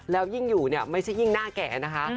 แล้วยิ่งอยู่เนี่ยไม่ใช่ยิ่งหน้าแก่นะคะ